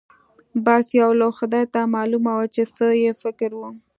بس يو لوی خدای ته معلومه وه چې څه يې فکر و.